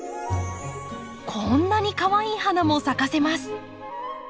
こんなにかわいい花も咲かせます。